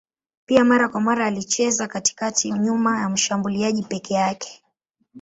Pia mara kwa mara alicheza katikati nyuma ya mshambuliaji peke yake.